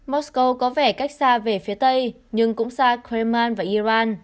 moscow có vẻ cách xa về phía tây nhưng cũng xa kremlin và iran